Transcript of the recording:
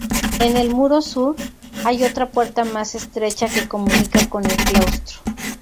En el muro sur, hay otra puerta más estrecha que comunica con el claustro.